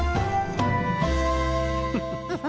フフフフ。